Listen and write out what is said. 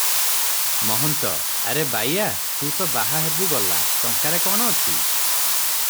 ମହନ୍ତ- ଆରେ ବାୟା! ତୁ ତ ବାହା ହେବୁ ଗଲା, ଟଙ୍କାରେ କଣ ଅଛି?